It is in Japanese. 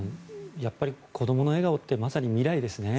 やっぱり子どもの笑顔ってまさに未来ですね。